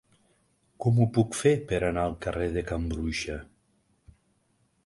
Com ho puc fer per anar al carrer de Can Bruixa?